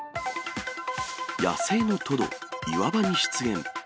野生のトド、岩場に出現。